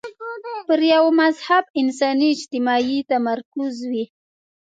پر یوه مهذب انساني اجتماع یې تمرکز وي.